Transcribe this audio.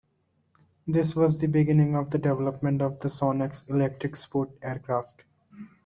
This was the beginning of the development of the Sonex Electric Sport Aircraft.